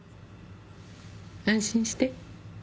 安心して。